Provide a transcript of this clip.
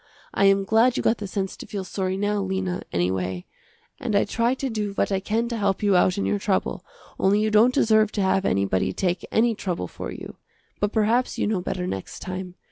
I am glad you got the sense to feel sorry now, Lena, anyway, and I try to do what I can to help you out in your trouble, only you don't deserve to have anybody take any trouble for you. But perhaps you know better next time.